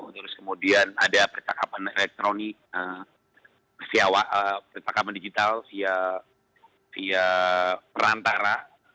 terus kemudian ada percakapan elektronik via percakapan digital via perantara